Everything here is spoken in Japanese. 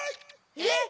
えっ？